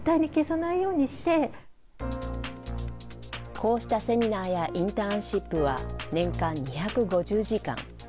こうしたセミナーやインターンシップは、年間２５０時間。